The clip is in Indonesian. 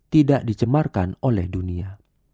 tidak dicemarkan oleh dunia